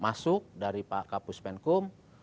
masuk dari pak kapus penkum